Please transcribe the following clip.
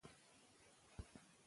ولې تمرین مهم دی؟